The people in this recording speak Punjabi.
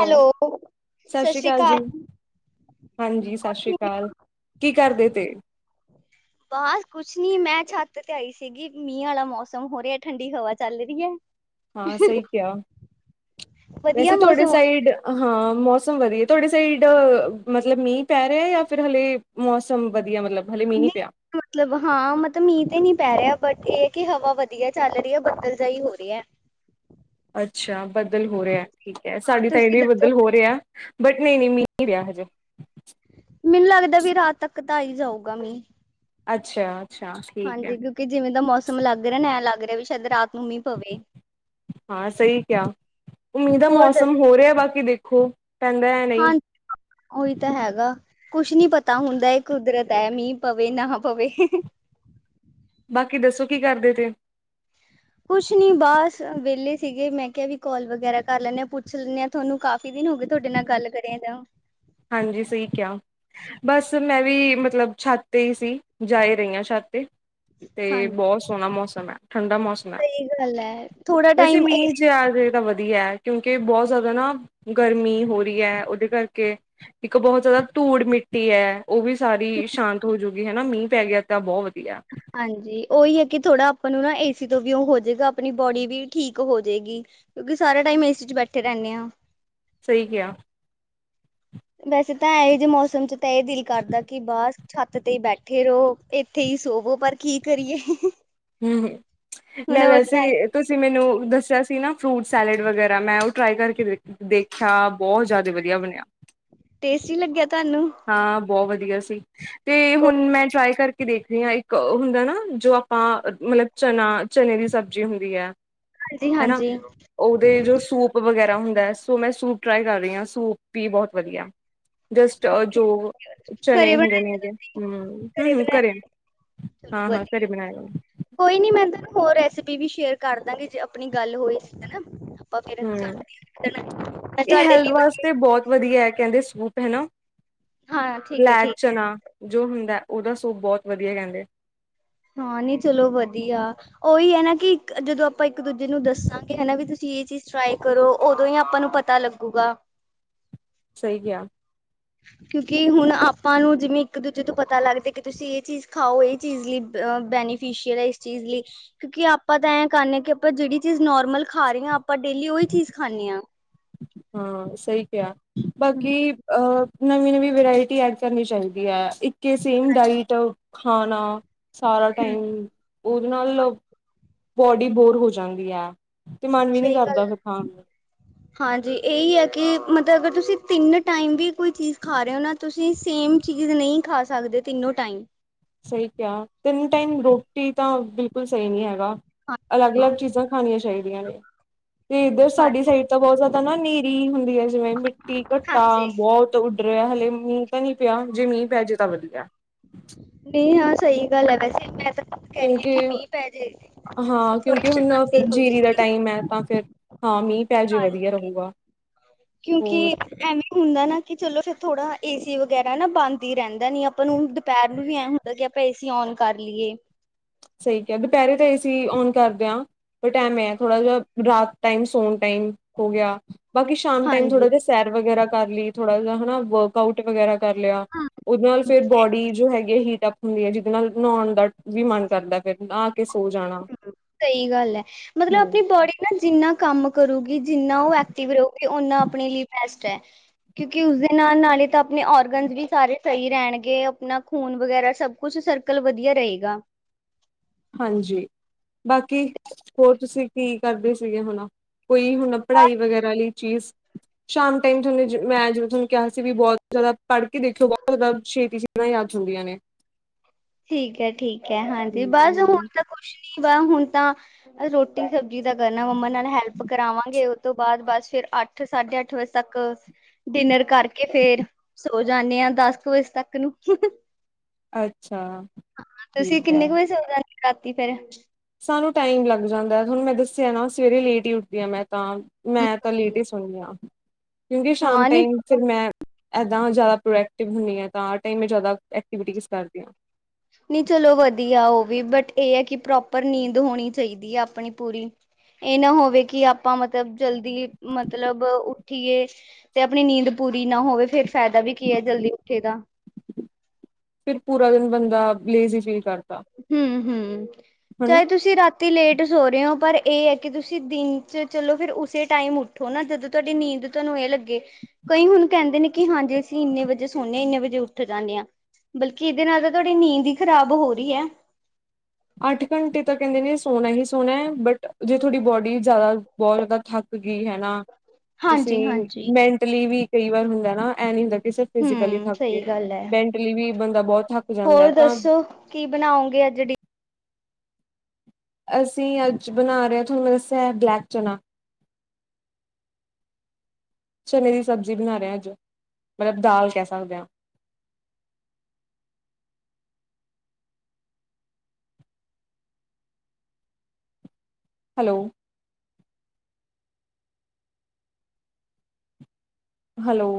ਹੈਲੋ, ਸਤਿ ਸ਼੍ਰੀ ਅਕਾਲ। ਹਾਂਜੀ, ਸਤਿ ਸ੍ਰੀ ਅਕਾਲ ਕੀ ਕਰਦੇ ਤੇ। ਬਸ ਕੁਛ ਨੀ, ਮੈਂ ਛੱਤ ਤੇ ਆਈ ਸੀਗੀ, ਮੀਂਹ ਵਾਲਾ ਮੌਸਮ ਹੋ ਰਿਹਾ ਠੰਡੀ ਹਵਾ ਚੱਲ ਰਹੀ ਹੈ। ਹਾਂ ਸਹੀ ਕਿਹਾ, ਵਧੀਆ ਵੈਸੇ ਤੁਹਾਡੇ ਮੌਸਮ ਹੋ ਸਾਈਡ ਹਾਂ ਮੌਸਮ ਵੱਧੀਆ ਤੁਹਾਡੇ ਸਾਈਡ ਮਤਲਬ ਮੀਂਹ ਪੈ ਰਿਹਾ, ਜਾਂ ਫਿਰ ਹਲੇ। ਮੌਸਮ ਵਧੀਆ ਮਤਲਬ ਹਲੇ ਮੀਂਹ ਰਿਹਾ ਨੀ ਨਹੀਂ ਪਿਆ। ਮਤਲਬ ਹਾਂ ਮਤਲਬ ਮੀਂਹ ਤੇ ਨੀ ਪੈ ਰਿਹਾ, ਬਟ ਇਹ ਹੈ ਕਿ ਹਵਾ ਵਧੀਆ ਚੱਲ ਰਹੀ ਹੈ, ਬੱਦਲ ਜਿਹਾ ਹੋ ਰਿਹਾ। ਅੱਛਾ ਬੱਦਲ ਹੋ ਰਿਹਾ ਠੀਕ ਹੈ, ਸਾਡੇ ਤਾ ਤੁਸੀਂ ਵੀ ਦੱਸੋ ਬਦਲ ਹੋ ਰਿਹਾ। ਬਟ ਨਹੀਂ -ਨਹੀਂ ਮੀਹ ਨਈ ਪਿਆ ਹਜੇ। ਮੈਨੂੰ ਲੱਗਦਾ ਫੇਰ ਰਾਤ ਤੱਕ ਤਾ ਆ ਈ ਜਾਊਗਾ ਮੀਂਹ। ਅੱਛਾ- ਅੱਛਾ। ਠੀਕ ਹੈ। ਹਾਂਜੀ ਕਿਉਂਕਿ ਜਿਵੇਂ ਦਾ ਮੌਸਮ ਲੱਗ ਰਿਹਾ, ਨ ਐ ਲੱਗ ਰਿਹਾ ਵੀ ਸ਼ਾਇਦ ਰਾਤ ਨੂੰ ਮੀਂਹ ਪਵੇ ਹਾਂ ਸਹੀ ਕਿਹਾ, ਮੀਂਹ ਦਾ ਹੋਰ ਦੱਸ ਮੌਸਮ ਹੋ ਰਿਹਾ ਬਾਕੀ ਦੇਖੋ। ਕਹਿੰਦਾ ਹੈ। ਨਹੀ। ਹਾਂ ਉਹੀ ਤਾਂ ਹੈਗਾ। ਕੁਛ ਨੀ ਪਤਾ ਹੁੰਦਾ, ਇਹ ਕੁਦਰਤ ਹੈ। ਮੀਂਹ ਪਵੇ ਨਾ ਪਵੇ। ਬਾਕੀ, ਦੱਸੋ ਕੀ ਕਰਦੇ ਤੇ ਕੁਛ ਨੀ, ਬਸ ਵਹਲੇ ਸੀਗੇ ਮੈਂ ਕਿਹਾ ਵੀ ਕਾਲ ਵਗੈਰਾ ਕਰ ਲੈਂਦੇ ਆ। ਪੁੱਛ ਲੈਂਨ ਹਾਂ। ਤੁਹਾਨੂੰ ਕਾਫੀ ਦਿਨ ਹੋ ਗਏ, ਤੁਹਾਡੇ ਨਾਲ ਗੱਲ ਕਰੇ ਤਾਂ ਹਾਂਜੀ, ਸਹੀ ਕਿਹਾ। ਬਸ, ਮੈਂ ਵੀ ਮਤਲਬ ਛੱਤ ਤੇ ਹੀ ਸੀ ਜਾਏ ਰਹੀ ਹਾਂ। ਛੱਤ ਤੇ। ਤੇ, ਹਾਂਜੀ ਬਹੁਤ ਸੋਹਣਾ ਮੌਸਮ ਹੈ। ਠੰਡਾ ਮੌਸਮ। ਸਹੀ ਗੱਲ ਹੈ ਥੋੜਾ ਵੈਸੇ, ਟਾਈਮ ਮੀਹ ਏਸੀ ਆਜੇ ਤਾਂ ਵਧੀਆ। ਕਿਉਂਕਿ, ਬਹੁਤ ਜ਼ਿਆਦਾ ਨਾ ਗਰਮੀ ਹੋ ਰਹੀ ਹੈ। ਉਹਦੇ ਕਰਕੇ ਇੱਕ ਬਹੁਤ ਜ਼ਿਆਦਾ ਧੂੜ ਮਿੱਟੀ ਹੈ। ਉਹ ਵੀ ਸਾਰੀ ਸ਼ਾਂਤ ਹੋਜੂਗੀ ਹਨਾ, ਮੀਂਹ ਪੈ ਗਿਆ ਤਾਂ ਬਹੁਤ ਵਧੀਆ। ਹਾਂਜੀ, ਉਹੀ ਹੈ ਕਿ ਥੋੜਾ ਆਪਾਂ ਨੂੰ ਨਾ ਏਸੀ ਤੋਂ ਵੀਓ ਹੋ ਜਾਵੇਗਾ। ਆਪਣੀ ਬੋਡੀ ਵੀ ਠੀਕ ਹੋ ਜਾਏਗੀ। ਕਿਉਂਕਿ, ਸਾਰਾ ਟਾਈਮ ਏਸੀ ਚ ਬੈਠੇ ਰਹਿੰਦੇ ਆ। ਸਹੀ ਕਿਹਾ। ਵੈਸੇ, ਤਾਂ ਇਹੋ ਜਿਹੇ ਮੌਸਮ ਚ ਤਾਂ ਇਹ ਦਿਲ ਕਰਦਾ ਕਿ ਬਾਹਰ ਛੱਤ ਤੇ ਬੈਠੇ ਰਹੋ। ਇੱਥੇ ਹੀ ਸੋਵੋ, ਪਰ ਕੀ ਕਰੀਏ। ਹੂ, ਹੁਣ ਮੈਂ ਉਹ ਟਾਈਮ ਵੈਸੇ ਤੁਸੀਂ ਮੈਨੂੰ ਦੱਸਿਆ ਸੀ। ਨਾ ਫਰੂਟ ਸੈਲਡ ਵਗੈਰਾ ਮੈਂ ਉਹ ਟਰਾਈ ਕਰਕੇ ਦੇਖਿਆ। ਦੇਖਿਆ, ਬਹੁਤ ਜਿਆਦਾ ਵਧੀਆ ਬਣਿਆ। ਟੇਸਟੀ ਲੱਗਿਆ ਤੁਹਾਨੂੰ? ਹਾਂ, ਬਹੁਤ ਵਧੀਆ ਸੀ। ਤੇ ਹੁਣ ਮੈਂ ਹਾਂਜੀ ਟਰਾਈ ਕਰਕੇ ਕਿ ਦੇਖਦੀ ਹਾਂ। ਇੱਕ ਹੁੰਦਾ ਨਾ ਜੋ ਆਪਾਂ ਮਤਲਬ ਚਨਾ ਚਨੇ ਦੀ ਸਬਜ਼ੀ ਹੁੰਦੀ ਹੈ। ਹਨਾ ਹਾਂਜੀ-ਹਾਂਜੀ। ਉਹਦੇ ਜੋ ਸੂਪ ਵਗੈਰਾ ਹੁੰਦਾ ਹੈ। ਸੋ ਮੈਂ ਸੂਪ ਟਰਾਈ ਕਰ ਰਹੀ ਹਾਂ। ਸੂਪ ਵੀ ਬਹੁਤ ਵਧੀਆ। ਜਸਟ, ਓਕੇ ਜੋ ਚਣੇ ਘਰੇ ਹੁੰਦੇ ਨੇ। ਬਣਾਇਆ ਤੁਸੀਂ ਹੈਗੇ [inaudible] ਘਰੇ ਚਲੋ ਹਾਂ-ਹਾਂ, ਘਰੇ ਵਧੀਆ ਬਣਾਗੇ। ਕੋਈ ਨੀ, ਮੈਂ ਤੈਨੂੰ ਹੋਰ ਰੈਸਪੀ ਵੀ ਸ਼ੇਅਰ ਕਰ ਦਾਂਗੀ। ਜੇ ਆਪਣੀ ਗੱਲ ਹੋਈ ਸੀ। ਆਪਾਂ, ਫੇਰ ਮੈਂ ਹਮ ਤੁਹਾਡੇ ਲਈ ਵਧੀਆ ਤੇ ਬਹੁਤ ਵਧੀਆ ਹੈ। ਕਹਿੰਦੇ ਸੂਪ ਹਨਾ ਹਾਂ ਠੀਕ ਹੈ ਲੈਕ ਠੀਕ ਹੈ ਚਨਾ ਜੋ ਹੁੰਦਾ ਉਹਦਾ ਸੋਪ ਬਹੁਤ ਵਧੀਆ ਕਹਿੰਦੇ‌‌। ਹਾਂ, ਨਹੀਂ ਚਲੋ ਵਧੀਆ। ਉਹੀ ਹੈ, ਨਾ ਕਿ ਜਦੋਂ ਆਪਾਂ ਇੱਕ ਦੂਜੇ ਨੂੰ ਦੱਸਾਂਗੇ ਹਨਾ। ਵੀ ਤੁਸੀਂ ਇਹ ਚੀਜ਼ ਟਰਾਈ ਕਰੋ। ਉਦੋਂ ਹੀ ਆਪਾਂ ਨੂੰ ਪਤਾ ਪਤਾ ਲੱਗੇਗਾ। ਸਹੀ ਕਿਹਾ। ਕਿਉਂਕਿ, ਹੁਣ ਆਪਾਂ ਨੂੰ ਜਿਵੇਂ ਇੱਕ ਦੂਜੇ ਤੋਂ ਪਤਾ ਲੱਗਦਾ। ਕਿ ਤੁਸੀਂ ਇਹ ਚੀਜ਼ ਖਾਓ ਇਹ ਚੀਜ਼ ਲਈ ਬੈਨੀ ਇਸ ਚੀਜ਼ ਲਈ ਕਿਉਂਕਿ, ਆਪਾਂ ਤਾਂ ਐਂ ਕਰਦੇ ਹਾਂ। ਕਿ ਆਪਾਂ ਜਿਹੜੀ ਚੀਜ਼ ਨੋਰਮਲ ਖਾ ਰਹੇ ਹਾਂ। ਆਪਾਂ ਆਪਾਂ ਡੇਲੀ ਉਹੀ ਚੀਜ਼ ਖਾਂਦੇ ਹਾਂ‌। ਹਾਂ, ਸਹੀ ਕਿਹਾ, ਹਮ ਬਾਕੀ ਇਹ, ਨਵੀਂ-ਨਵੀਂ ਵਰਾਇਟੀ ਐਡ ਕਰਨੀ ਚਾਹੀਦੀ ਹੈ। ਇੱਕ ਸੇਮ ਹਾਂਜੀ ਡਾਇਟ ਖਾਣਾ ਸਾਰਾ ਟਾਈਮ ਉਹਦੇ ਨਾਲ ਬੋਡੀ ਬੋਰ ਹੋ ਜਾਂਦੀ ਹੈ। ਤੇ ਮਨ ਵੀ ਨਹੀਂ ਸਹੀ ਗੱਲ ਕਰਦਾ, ਫੇਰ ਹੈ ਖਾਣ ਨੂੰ। ਹਾਂਜੀ, ਇਹੀ ਹੈ। ਕਿ ਮਤਲਬ ਅਗਰ ਤੁਸੀਂ ਤਿੰਨ ਟਾਈਮ ਵੀ ਕੋਈ ਚੀਜ਼ ਖਾ ਰਹੇ ਹੋ। ਨਾ ਤੁਸੀਂ ਸੇਮ ਚੀਜ਼ ਨਹੀਂ ਖਾ ਸਕਦੇ। ਤਿੰਨੋਂ ਟਾਈਮ ਸਹੀ ਕਿਹਾ, ਤਿੰਨ ਟਾਈਮ ਰੋਟੀ ਤਾਂ ਬਿਲਕੁਲ, ਸਹੀ ਨਹੀਂ ਹੈਗਾ। ਹਾਂਜੀ ਅਲੱਗ-ਅਲੱਗ ਚੀਜ਼ਾਂ ਖਾਣੀਆਂ ਚਾਹੀਦੀਆਂ ਨੇ। ਤੇ ਇੱਧਰ ਸਾਡੀ ਸਾਈਡ ਤਾਂ ਬਹੁਤ ਜ਼ਿਆਦਾ ਨਾ ਹਨੇਰੀ ਹੁੰਦੀ ਹੈ ਜਿਵੇਂ ਮਿੱਟੀ ਘੱਟਾ ਹਾਂਜੀ ਬਹੁਤ। ਉੱਡ ਰਿਹਾ ਹਾਲੇ ਮੀਂਹ ਤਾਂ ਨਹੀਂ ਪਿਆ, ਜੇ ਮੀਂਹ ਪੈ ਜੇ ਤਾਂ ਵਧੀਆ। ਮੀਂਹ ਆਉਣਾ ਚਾਹੀਦਾ ਹੈ ਵੈਸੇ ਤੇ- ਕਿਉਂਕਿ ਹਾਂ ਕਿਉਂਕਿ ਥੋੜੀ ਹੁਣ ਸ਼ਾਂਤੀ ਫੇਰ ਹੋ ਜੀਰੀ ਦਾ ਜਾਏਗੀ ਟਾਈਮ ਹੈ ਤਾਂ ਫੇਰ। ਹਾਂ ਮੀਂਹ ਪੈ ਜੇ ਹਾਂਜੀ ਵਧੀਆ ਰਹੂਗਾ। ਕਿਉਂਕਿ ਹੋਰ ਐਵੇਂ ਹੁੰਦਾ ਨਾ ਕਿ ਚਲੋ ਫੇਰ ਥੋੜਾ ਏਸੀ ਵਗੈਰਾ ਨਾ ਬੰਦ ਹੀ ਰਹਿੰ- ਦਾਂ ਨੀ ਆਪਾਂ ਨੂੰ ਦੁਪਹਿਰ ਨੂੰ ਵੀ ਐਂ ਹੁੰਦਾ ਕਿ ਆਪਾਂ ਏਸੀ ਔਨ ਕਰ ਲਈਏ। ਸਹੀ ਕਿਹਾ, ਦੁਪਹਿਰੇ ਤੇ ਐ ਸੀਂ ਓਨ ਕਰਦੇ ਹਾਂ। ਪਰ ਟਾਈਮ ਹੈ, ਥੋੜਾ ਜਿਹਾ ਰਾਤ ਟਾਈਮ, ਸੋਣ ਟਾਈਮ ਹੋ ਗਿਆ। ਬਾਕੀ ਸ਼ਾਮ ਟਾਈਮ ਹਾਂਜੀ ਥੋੜਾ ਜਿਹਾ ਸੈਰ ਵਗੈਰਾ ਕਰ ਲਈ, ਥੋੜਾ ਜਿਹਾ ਹਨਾ ਵਰਕਆਊਟ ਵਗੈਰਾ ਕਰ ਲਿਆ। ਹੂੰ। ਉਹਦੇ ਨਾਲ ਫੇਰ ਬੋਡੀ ਜੋ ਹੈਗੀ ਹੈ ਹੀਟਅਪ ਹੁੰਦੀ ਹੈ ਜਿਹਦੇ ਨਾਲ ਨਹਾਉਣ ਦਾ ਵੀ ਮਨ ਕਰਦਾ ਫੇਰ ਆ- ਕੇ ਸੋ ਜਾਣਾ। ਹੂੰ ਸਹੀ ਗੱਲ ਹੈ, ਮਤਲਬ ਹਮ ਆਪਣੀ ਬੋਡੀ- ਜਿੰਨਾ ਕੰਮ ਕਰੂਗੀ, ਜਿੰਨਾ ਉਹ ਐਕਟਿਵ ਰਹੂਗੀ, ਓਨਾ ਆਪਣੇ ਲਈ ਬੈਸਟ ਹੈ। ਕਿਉਂਕਿ ਉਸਦੇ ਨਾਲ -ਨਾਲ ਹੀ ਤਾਂ, ਆਪਣੇ ਔਰਗੈਨਸ ਵੀ ਸਾਰੇ ਸਹੀ ਰਹਿਣਗੇ ਆਪਣਾ ਖੂਨ ਵਗੈਰਾ ਸਭ ਕੁਛ, ਸਰਕਲ ਵਧੀਆ ਰਹੇਗਾ। ਹਾਂਜੀ। ਬਾਕੀ, ਹੋਰ ਤੁਸੀਂ ਕੀ ਕਰਦੇ ਸੀਗੇ ਹੁਣਾ? ਕੋਈ ਹੁਣ ਪੜਾਈ ਵਗੈਰਾ ਲਈ ਚੀਜ਼। ਸ਼ਾਮ ਟਾਈਮ ਤੁਹਾਨੂੰ ਮੈਂ ਜਦੋਂ ਤੁਹਾਨੂੰ ਕਿਹਾ ਸੀ ਵੀ ਬਹੁਤ ਜ਼ਿਆਦਾ, ਪੜ ਕੇ ਦੇਖਿਓ ਬਹੁਤ ਜ਼ਿਆਦਾ ਛੇਤੀ ਛੇ- ਗੱਲਾ ਯਾਦ ਚ ਹੁੰਦੀਆਂ ਨੇ। ਠੀਕ ਹੈ -ਠੀਕ ਹੈ, ਹਾਂਜੀ ਬਸ ਹੁਣ ਹੂੰ, ਤਾਂ ਕੁਛ ਨੀ ਬ ਹੁਣ ਤਾਂ। ਰੋਟੀ ਸਬਜ਼ੀ ਦਾ ਕਰਨਾ ਮੰਮਾ ਨਾਲ, ਹੈਲਪ ਕਰਾਵਾਂਗੇ ਉਹ ਤੋਂ ਬਾਅਦ ਬਸ ਫੇਰ ਆ- ਅੱਠ, ਸਾਢੇ ਅੱਠ ਵਜੇ ਤੱਕ। ਡਿਨਰ ਕਰਕੇ ਫੇਰ ਸੋ ਜਾਂਨੇ ਹਾਂ, ਦਸ ਕੁ ਵਜੇ ਤੱਕ ਨੂੰ। ਅੱਛਾ। ਹਾਂ ਤੁਸੀਂ ਠੀਕ ਹੈ। ਕਿੰਨੇ ਕੁ ਵਜੇ ਸੌ ਜਾਂਦੇ ਰਾਤੀ ਫੇਰ? ਸਾਨੂੰ ਟਾਈਮ ਲੱਗ ਜਾਂਦਾ ਤੁਹਾਨੂੰ, ਮੈਂ ਦੱਸਿਆ ਨਾ ਸਵੇਰੇ ਲੇਟ ਹੀ ਉੱਠਦੀ ਹਾਂ ਮੈਂ ਤਾਂ। ਮੈਂ ਤਾਂ ਲੇਟ ਹੀ ਸੁੳਣੀ ਆ, ਕਿਉਂਕਿ ਸ਼ਾਮ ਹਾਂ ਨੀ ਟਾਈਮ ਫੇਰ ਮੈਂ ਏਦਾਂ ਨਾ ਜ਼ਿਆਦਾ ਪ੍ਰੋਡਕਟਿਵ ਹੁੰਦੀ ਆ ਤਾਂ, ਆਰ ਟਮ ਮੈਂ ਜਿਆਦਾ ਐਕਟੀਵਿਟੀ ਯੂਜ਼ਰ ਕਰਦੀ ਹਾਂ। ਨਹੀਂ ਚਲੋ ਵਧੀਆ ਉਹ ਵੀ ਬਟ ਇਹ ਹੈ, ਕਿ ਪ੍ਰੋਪਰ ਨੀਂਦ ਹੋਣੀ ਚਾਹੀਦੀ ਹੈ ਆਪਣੀ ਪੂਰੀ। ਇਹ ਨਾ ਹੋਵੇ ਕਿ ਆਪਾਂ ਮਤਲਬ ਜਲਦੀ ਮਤਲਬ ਉੱਠੀਏ- ਤੇ ਆਪਣੀ ਨੀਂਦ ਪੂਰੀ ਨਾ ਹੋਵੇ, ਫੇਰ ਫਾਇਦਾ ਵੀ ਕੀ ਹੈ ਜਲਦੀ ਉੱਠੇ ਦਾ। ਫੇਰ ਪੂਰਾ ਦਿਨ ਬੰਦਾ ਲੇਜ਼ੀ ਫੀਲ ਕਰ- ਹੂੰ- ਹੂੰ ਚਾਹੇ ਤੁਸੀਂ ਰਾਤ- ਤੀ ਲੇਟ ਸੋ ਰਹੇ ਹੋ, ਪਰ ਇਹ ਹੈ ਕਿ ਤੁਸੀਂ ਦਿਨ 'ਚ ਚਲੋ ਫੇਰ ਉਸੇ ਟਾਈਮ ਉੱਠੋ ਨਾ ਜਦੋਂ ਤੁਹਾਡੀ ਨੀਂਦ ਤੁਹਾਨੂੰ ਇਹ ਲੱਗੇ- ਕਈ ਹੁਣ ਕਹਿੰਦੇ ਨੇ, ਕਿ ਹਾਂਜੀ ਅਸੀਂ ਇੰਨੇ ਵਜੇ ਸੋਨ ਹਾਂ ਇੰਨੇ ਵਜੇ ਉੱਠ ਜਾਂਦੇ ਹਾਂ। ਬਲਕਿ ਇਹਦੇ ਨਾਲ ਤਾਂ ਤੁਹਾਡੀ, ਨੀਂਦ ਹੀ ਖ਼ਰਾਬ ਹੋ ਰਹੀ ਹੈ। ਅੱਠ ਘੰਟੇ ਤਾਂ ਕਹਿੰਦੇ ਨੇ ਸੋਹਣਾ ਹੀ ਸੋਹਣਾ ਹੈ, ਬਟ ਜੇ ਤੁਹਾਡੀ ਬੋਡੀ ਜ਼ਿਆਦਾ, ਬਹੁਤ ਜ਼ਿਆਦਾ ਥੱਕ ਗਈ ਹਨਾ ਤੁਸੀਂ ਹਾਂਜੀ-ਹਾਂਜੀ। ਮੈ- ਟਲੀ ਵੀ ਕਈ ਵਾਰ ਹੁੰਦਾ ਨਾ, ਇਹ ਨੀ ਹੁੰਦਾ ਕਿ ਸਿਰਫ ਫਿਜੀਕਲੀ ਹੂੰ ਥੱਕ ਸਹੀ ਗਏ, ਗੱਲ ਹੈ ਮੈਂਟਲੀ ਵੀ ਬੰਦਾ ਬਹੁਤ ਥੱਕ ਜਾਂਦਾ ਹੋਰ ਤਾਂ ਦੱਸੋ ਕੀ ਬਣਾਓਗੇ ਅੱਜ ਡਿ- ਅਸੀਂ ਅੱਜ ਬਣਾ ਰਹੇ ਹਾਂ, ਤੁਹਾਨੂੰ ਮੈਂ ਦੱਸਿਆ ਬਲੈਕ ਚਨਾ। ਚਨੇ ਦੀ ਸਬਜ਼ੀ ਬਣਾ ਰਹੇ ਅੱਜ, ਮਤਲਬ ਦਾਲ ਕਹਿ ਸਕਦੇ ਹਾਂ। ਹੈਲੋ। ਹੈਲੋ।